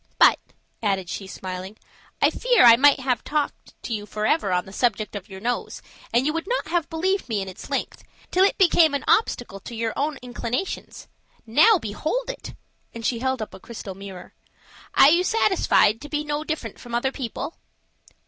But," added she, smiling, "I fear I might have talked to you forever on the subject of your nose, and you would not have believed me in its length, till it became an obstacle to your own inclinations. Now behold it!" and she held up a crystal mirror. "Are you satisfied to be no different from other people?"